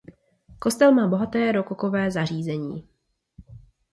Kostel má bohaté rokokové zařízení.